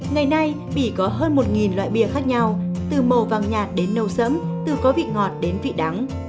ngày nay bỉ có hơn một loại bia khác nhau từ màu vàng nhạt đến nâu sẫm từ có vị ngọt đến vị đắng